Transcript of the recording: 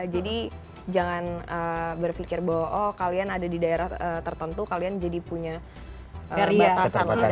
jadi jangan berfikir bahwa oh kalian ada di daerah tertentu kalian jadi punya batasan